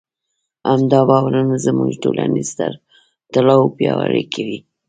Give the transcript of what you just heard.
همدا باورونه زموږ ټولنیز تړاو پیاوړی کوي.